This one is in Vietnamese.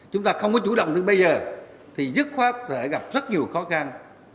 chúng ta không có chủ động từ bây giờ thì dứt khoát sẽ gặp rất nhiều khó khăn